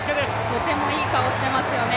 とてもいい顔をしていますよね